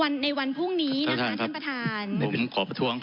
ในวันพรุ่งนี้นะคะท่านประธาน